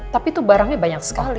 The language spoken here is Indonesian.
tapi itu barangnya banyak sekali